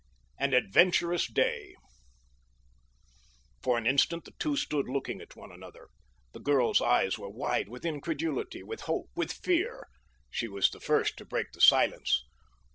AN ADVENTUROUS DAY For an instant the two stood looking at one another. The girl's eyes were wide with incredulity, with hope, with fear. She was the first to break the silence.